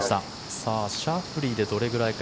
さあ、シャフリーでどれぐらいか。